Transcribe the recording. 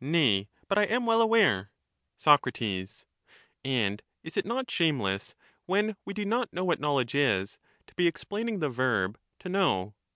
Nay, but I am well aware. Sac. And is it not shameless when we do not know what But how knowledge is, to be explaining the verb 'to know'?